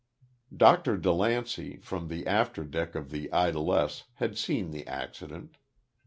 Dr. DeLancey, from the after deck of "The Idlesse," had seen the accident.